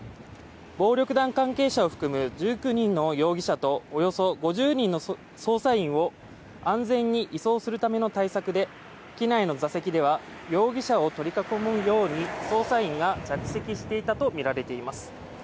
暴力団関係者を含む１９人の容疑者とおよそ５０人の捜査員を安全に移送するための対策で機内の座席では容疑者を取り囲むように捜査員が着席していたとみられています。